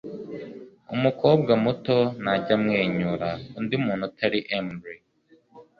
Umukobwa muto ntajya amwenyura undi muntu utari Emily